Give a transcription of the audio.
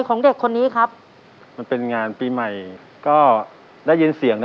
ก็จับมาฝึกซ้อม